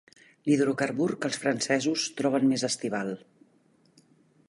L'hidrocarbur que els francesos troben més estival.